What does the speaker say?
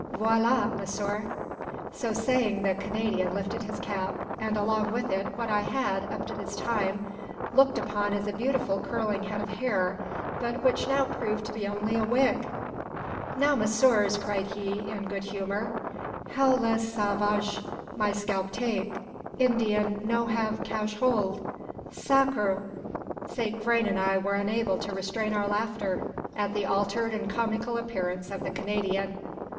Voila monsieur!" So saying, the Canadian lifted his cap, and along with it what I had, up to this time, looked upon as a beautiful curling head of hair, but which now proved to be only a wig! "Now, messieurs!" cried he, in good humour, "how les sauvages my scalp take? Indien no have cash hold. Sacr r r!" Saint Vrain and I were unable to restrain our laughter at the altered and comical appearance of the Canadian.